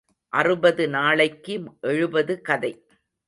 அறுபது நாளைக்கு எழுபது கதை.